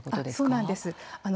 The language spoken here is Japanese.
そうなんです。